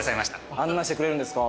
案内してくれるんですか？